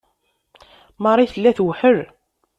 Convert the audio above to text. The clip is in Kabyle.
Marie tella tewḥel.